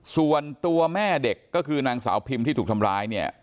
ส่วนตัวแม่เด็กก็คือนางสาวพิมที่ถูกทำร้ายเนี่ย